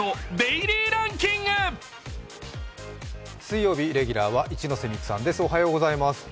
水曜日レギュラーは一ノ瀬美空さんです。